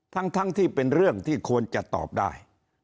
ทั้งที่เป็นเรื่องที่ควรจะตอบได้